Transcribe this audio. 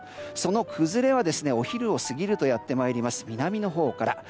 その崩れはお昼を過ぎるとやってまいります南のほうから。